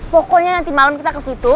pokoknya nanti malem kita kesitu